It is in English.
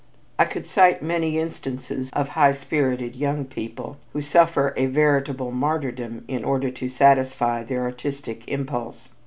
I could cite many instances of high spirited young people who suffer a veritable martyrdom in order to satisfy their artistic impulse.